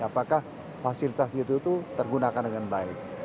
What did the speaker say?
apakah fasilitas itu tergunakan dengan baik